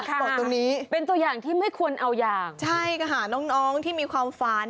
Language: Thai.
บอกตรงนี้เป็นตัวอย่างที่ไม่ควรเอาอย่างใช่ก็หาน้องน้องที่มีความฝัน